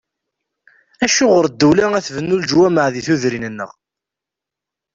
Acuɣer ddula ad tbennu leǧwameɛ deg tudrin-nneɣ?